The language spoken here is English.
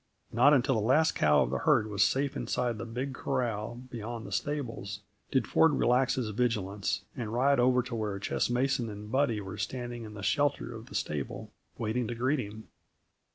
Not until the last cow of the herd was safe inside the big corral beyond the stables, did Ford relax his vigilance and ride over to where Ches Mason and Buddy were standing in the shelter of the stable, waiting to greet him.